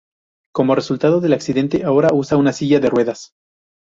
Como resultado del accidente, ahora usa una silla de ruedas.